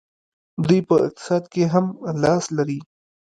دوی په اقتصاد کې هم لاس لري.